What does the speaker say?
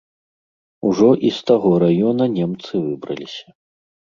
Ужо і з таго раёна немцы выбраліся.